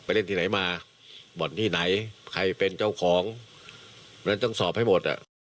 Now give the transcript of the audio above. เล่นที่ไหนมาบ่อนที่ไหนใครเป็นเจ้าของเพราะฉะนั้นต้องสอบให้หมดอ่ะ